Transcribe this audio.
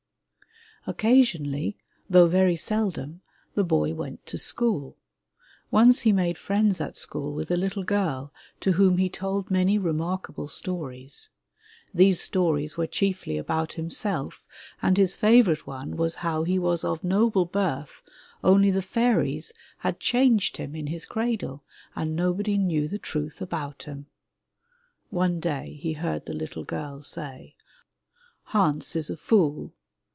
Occasionally, though very seldom, the boy went to school. Once he made friends at school with a little girl, to whom he told many remarkable stories. These stories were chiefly about him self, and his favorite one was how he was of noble birth only the 26 THE LATCH KEY fairies had changed him in his cradle and nobody knew the truth about him! One day he heard the little girl say, "Hans is a fool."